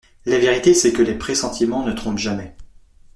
La vérité, c'est que les pressentiments ne trompent jamais.